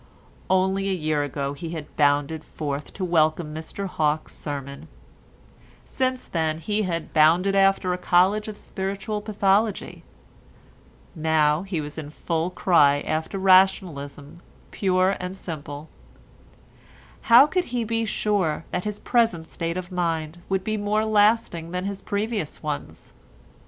Only a year ago he had bounded forth to welcome Mr Hawke's sermon; since then he had bounded after a College of Spiritual Pathology; now he was in full cry after rationalism pure and simple; how could he be sure that his present state of mind would be more lasting than his previous ones?